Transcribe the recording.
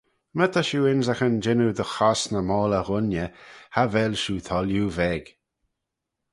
My ta shiu ynrican jannoo dy chosney moylley ghooiney cha vel shiu thoilliu veg.